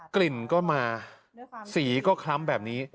กลิ่นก็มาสีก็คล้ำแบบนี้